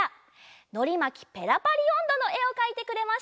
「のりまきペラパリおんど」のえをかいてくれました。